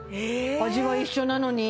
味は一緒なのに？